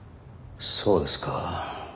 そうですか。